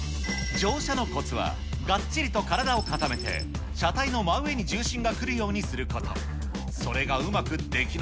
乗車のこつは、がっちりと体を固めて、車体の真上に重心がくるようにすること。